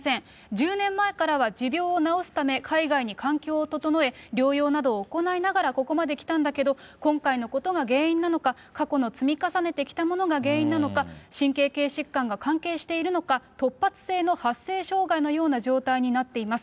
１０年前からは持病を治すため、海外に環境を整え、療養などを行いながらここまで来たんだけど、今回のことが原因なのか、過去の積み重ねてきたものが原因なのか、神経系疾患が関係しているのか、突発性の発声障害のような状態になっています。